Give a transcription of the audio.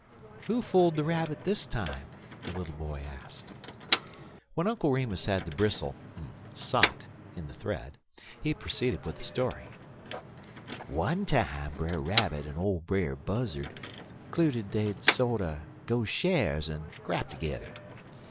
"Who fooled the Rabbit this time?" the little boy asked. When Uncle Remus had the bristle "sot" in the thread, he proceeded with the story: "One time Brer Rabbit en ole Brer Buzzard 'cluded dey'd sorter go shares, en crap tergedder.